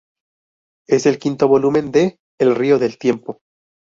Es el quinto volumen de "El río del tiempo".